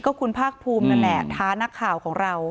ก็คุณภากภูมิแน่ท้านักข่าวของเรา